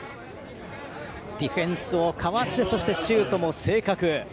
ディフェンスをかわしてシュートも正確。